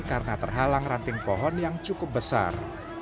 karena terhalang ranting pohon yang cukup besar